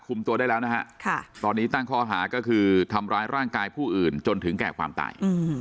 ตัวได้แล้วนะฮะตอนนี้ตั้งข้อหาก็คือทำร้ายร่างกายผู้อื่นจนถึงแก่ความตาย